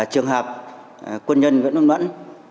trường hợp quân nhân nguyễn văn mấn